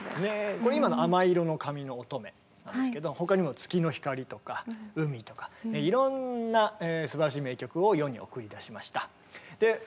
これ今の「亜麻色の髪のおとめ」なんですけど他にも「月の光」とか「海」とかいろんなすばらしい名曲を世に送り出しました。